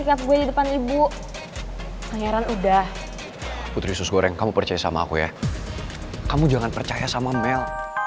kalo kamu percaya sama aku ya kamu jangan percaya sama mel